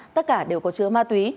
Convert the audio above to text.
tất cả đều có chứa ma túy